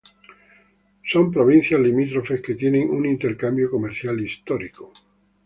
Son provincias limítrofes que tienen un intercambio comercial histórico.